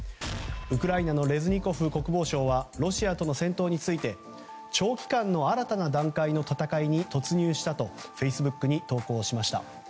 ウクライナのレズニコフ国防相はロシアとの戦闘について長期間の新たな段階の戦いに突入したとフェイスブックに投稿しました。